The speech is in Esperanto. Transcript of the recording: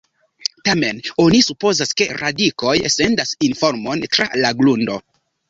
Tamen oni supozas ke radikoj sendas informon tra la grundo.